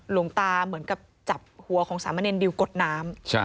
หลวงตาเหมือนกับจับหัวของสามเณรดิวกดน้ำ